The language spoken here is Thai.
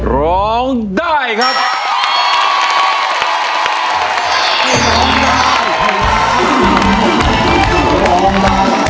ร้องได้ครับ